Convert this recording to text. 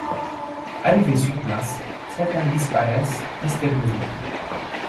Arrivés sur place, certains disparaissent mystérieusement.